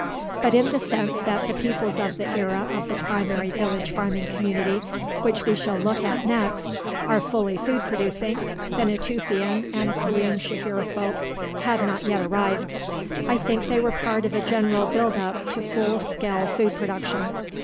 But in the sense that the peoples of the era of the primary village farming community, which we shall look at next, are fully food producing, the Natufian and Karim Shahir folk had not yet arrived. I think they were part of a general build up to full scale food production.